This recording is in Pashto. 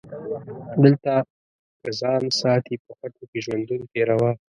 دلته که ځان ساتي په خټو کې ژوندون تیروه